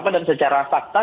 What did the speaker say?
dan secara fakta